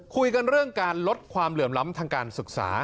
คุยกันเรื่องการลดความเหลื่อมล้ำทางการศึกษา